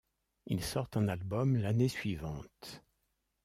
Ils sortent un album l'année suivante.